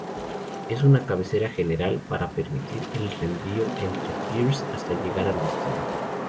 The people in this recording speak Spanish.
Es una cabecera general para permitir el reenvío entre peers hasta llegar al destino.